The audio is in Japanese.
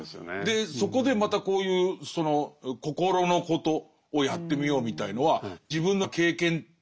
そこでまたこういう心のことをやってみようみたいのは自分の経験とかを突き詰めていく。